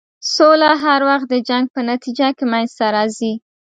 سوله هر وخت د جنګ په نتیجه کې منځته راځي.